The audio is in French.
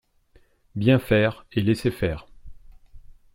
Bien faire et laisser faire